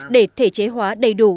để thể chế hóa đầy đủ